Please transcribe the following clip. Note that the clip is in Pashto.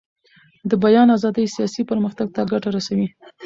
د بیان ازادي سیاسي پرمختګ ته ګټه رسوي